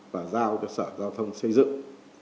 và giao cho sở giao thông xây dựng